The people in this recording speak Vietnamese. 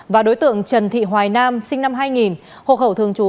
và đối tượng trần thị hoài nam sinh năm hai nghìn hộ khẩu thường trú